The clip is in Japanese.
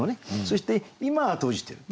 そして今は閉じてる。